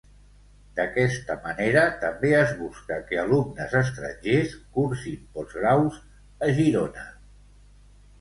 D'aquesta manera també es busca que alumnes estrangers cursin postgraus a Girona.